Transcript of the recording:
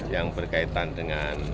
yang berkaitan dengan